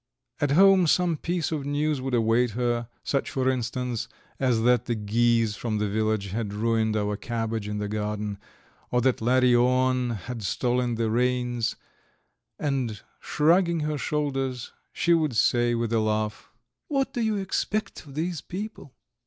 At home some piece of news would await her, such, for instance, as that the geese from the village had ruined our cabbage in the garden, or that Larion had stolen the reins; and shrugging her shoulders, she would say with a laugh: "What do you expect of these people?"